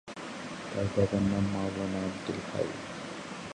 তার বাবার নাম মাওলানা আব্দুল হাই।